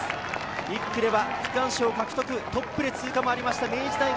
１区では区間賞を獲得、トップで通過がありました明治大学。